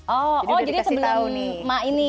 oh jadi sebelum emak ini